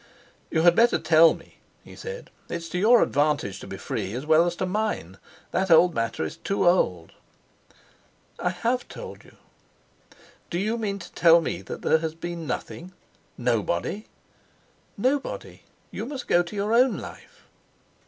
"You had better tell me," he said; "it's to your advantage to be free as well as to mine. That old matter is too old." "I have told you." "Do you mean to tell me there has been nothing—nobody?" "Nobody. You must go to your own life."